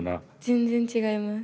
全然違います。